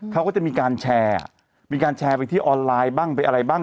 เขาก็จะมีการแชร์มีการแชร์ไปที่ออนไลน์บ้างไปอะไรบ้าง